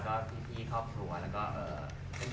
เป็นเพื่อนเป็นดูดสนิทจริง